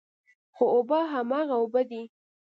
خو اوبه هماغه اوبه دي.